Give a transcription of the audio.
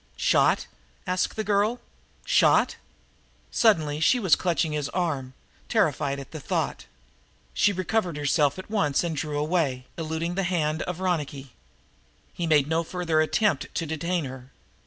"Shot?" asked the girl. "Shot?" Suddenly she was clutching his arm, terrified at the thought. She recovered herself at once and drew away, eluding the hand of Ronicky. He made no further attempt to detain her.